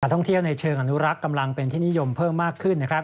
ท่องเที่ยวในเชิงอนุรักษ์กำลังเป็นที่นิยมเพิ่มมากขึ้นนะครับ